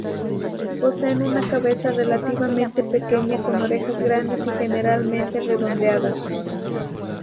Poseen una cabeza relativamente pequeña con orejas grandes y generalmente redondeadas.